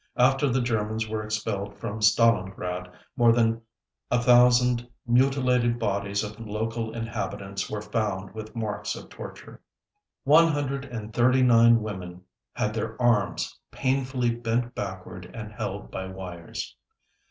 After the Germans were expelled from Stalingrad, more than a thousand mutilated bodies of local inhabitants were found with marks of torture. One hundred and thirty nine women had their arms painfully bent backward and held by wires.